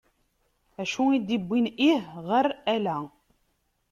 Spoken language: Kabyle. Acu i d iwwin ih ɣer ala?